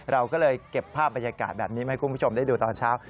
เราก็เลยเก็บภาพบรรยากาศแบบนี้มาให้คุณผู้ชมได้ดูตอนเช้า